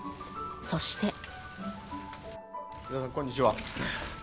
そして。